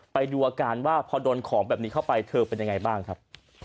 ไปดูอาการว่าพอโดนของแบบนี้เข้าไปเธอเป็นยังไงบ้างครับ